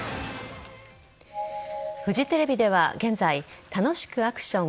フジテレビでは現在楽しくアクション！